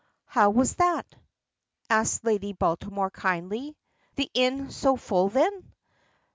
"How was that?" asks Lady Baltimore, kindly. "The inn so full then?"